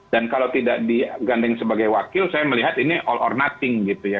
dan kalau tidak digandeng sebagai wakil saya melihat ini all or nothing gitu ya